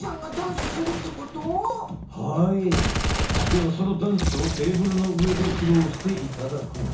ではそのダンスをテーブルのうえでひろうしていただこう。